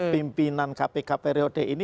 pimpinan kpk periode ini